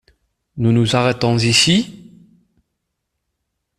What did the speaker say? Nous nous arrêtons ici?